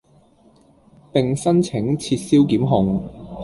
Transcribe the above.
並申請撤銷檢控